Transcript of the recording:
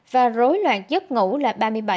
và rối loạn giấc ngủ là ba mươi bảy